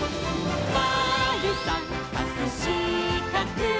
「まるさんかくしかく」